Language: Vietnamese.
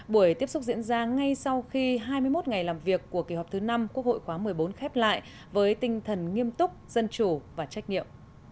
buổi tiếp xúc diễn ra ngay sau khi hai mươi một ngày làm việc của kỳ họp thứ năm quốc hội khóa một mươi bốn khép lại với tinh thần nghiêm túc dân chủ và trách nhiệm